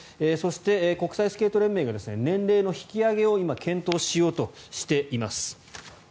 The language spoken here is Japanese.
そして、国際スケート連盟が年齢の引き上げを今、検討しようとしています。